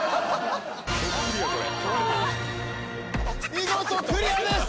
見事クリアです！